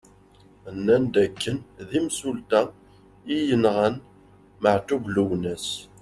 Nnan-d d akken d imsulta i yenɣan Maɛtub Lwennas.